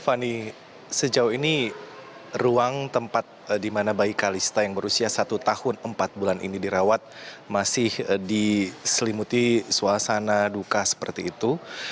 fani sejauh ini ruang tempat di mana bayi kalista yang berusia satu tahun empat bulan ini dirawat masih diselimuti suasana duka seperti itu